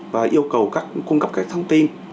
và yêu cầu cung cấp các thông tin